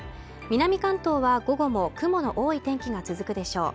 南関東は午後も雲の多い天気が続くでしょう